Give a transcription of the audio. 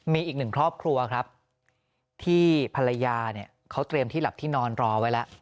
มีอีกหนึ่งครอบครัวครับที่ภรรยาเนี่ยเขาเตรียมที่หลับที่นอนรอไว้แล้ว